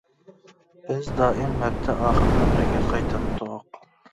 بىز دائىم ھەپتە ئاخىرىدا بىرگە قايتاتتۇق.